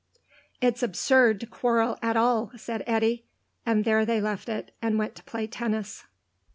"It's absurd to quarrel at all," said Eddy, and there they left it, and went to play tennis.